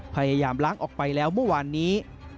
พยายามล้างออกไปแล้วเมื่อวานนี้